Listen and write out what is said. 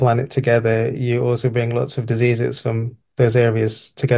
anda juga membawa banyak penyakit dari area area itu bersama juga